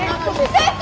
先生！